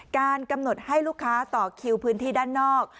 การกำหนดให้ลูกค้าต่อคิวพื้นที่ด้านนอก